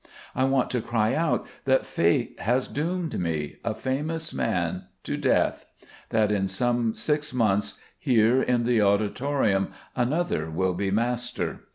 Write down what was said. I want to cry out that fate has doomed me, a famous man, to death; that in some six months here in the auditorium another will be master.